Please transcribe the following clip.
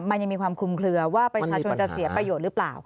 มันยังมีความคลุมเคลือว่าประชาชนจะเสียประโยชน์หรือเปล่า